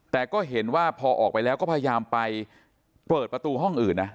แต่ก็เห็นว่าพอออกไปแล้วก็พยายามไปเปิดประตูห้องอื่นนะ